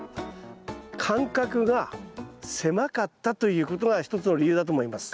間隔が狭かったということが一つの理由だと思います。